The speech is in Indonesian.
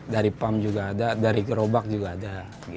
dari pump juga ada dari gerobak juga ada